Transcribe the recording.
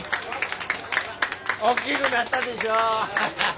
おっきぐなったでしょ。